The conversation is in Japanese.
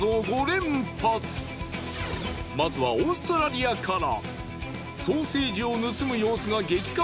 まずはオーストラリアから。